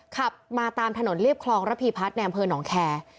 ขับมาตามถนนเรียบคลองระพีพัฒน์ในอำเภอหนองแคร์